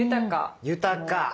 豊か。